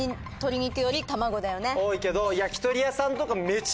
多いけど。